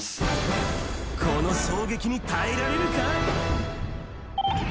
この衝撃に耐えられるか？